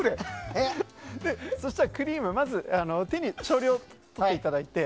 そうしたら、クリームをまず手に少量をとっていただいて。